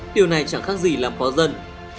điều này chẳng khác gì làm khó dân